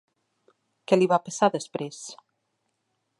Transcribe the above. Què li va passar després?